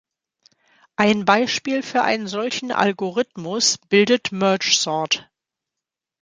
Ein Beispiel für einen solchen Algorithmus bildet Mergesort.